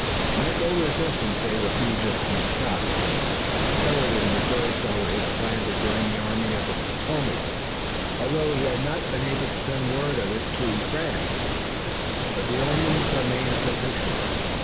They met no resistance save a few distant shots, and Sheridan rejoiced over his plan to join the Army of the Potomac, although he had not yet been able to send word of it to Grant. But the omens remained propitious.